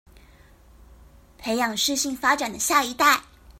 培養適性發展的下一代